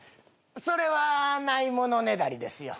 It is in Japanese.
それはないものねだりですよ。